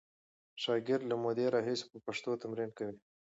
شاګرد له مودې راهیسې په پښتو تمرین کوي.